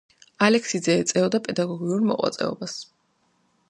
ალექსიძე ეწეოდა პედაგოგიურ მოღვაწეობას.